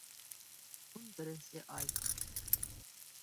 Ун беренсе ай.